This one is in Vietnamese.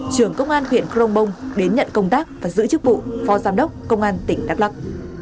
trưởng công an huyện crong bông đến nhận công tác và giữ chức vụ phó giám đốc công an tỉnh đắk lắc